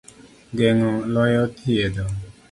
Geng'o loyo thietho.